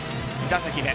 ２打席目。